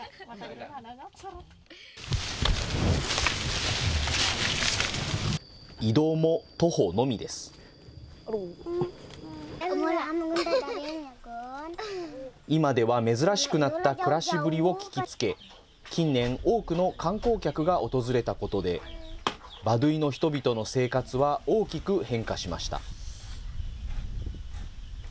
今では珍しくなった暮らしぶりを聞きつけ、近年、多くの観光客が訪れたことで、バドゥイの人々の生活は大きく変化しました。